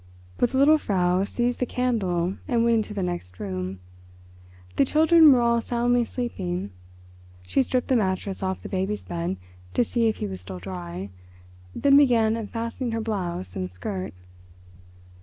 But the little Frau seized the candle and went into the next room. The children were all soundly sleeping. She stripped the mattress off the baby's bed to see if he was still dry, then began unfastening her blouse and skirt.